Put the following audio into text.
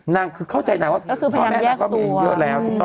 นางคือเข้าใจนางว่าพ่อแม่นางก็มีเยอะแล้วถูกต้อง